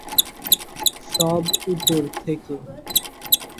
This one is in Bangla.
সর উপর থেকে।